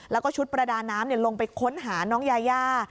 แล้วก็ชุดประดาน้ำลงไปค้นหาน้องยายา